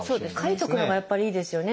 書いておくのがやっぱりいいですよね。